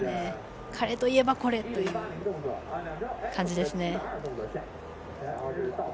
彼といえば、これという感じです。